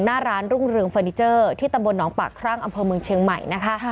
หน้าร้านรุ่งเรืองเฟอร์นิเจอร์ที่ตำบลหนองปากครั่งอำเภอเมืองเชียงใหม่นะคะ